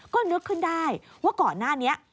ก็นึกขึ้นได้ว่าก่อนหน้านี้